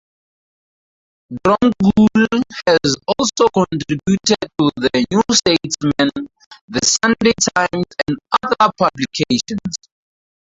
Dromgoole has also contributed to "The New Statesman", "The Sunday Times" and other publications.